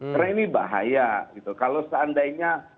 karena ini bahaya kalau seandainya